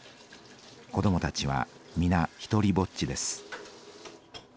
子どもたちは皆独りぼっちです。